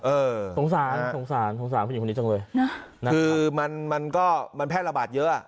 เออนะครับนะครับคือมันก็มันแพร่ระบาดเยอะ